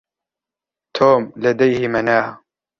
توم لديه مناعة.